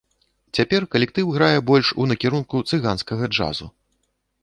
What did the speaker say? Цяпер калектыў грае больш у накірунку цыганскага джазу.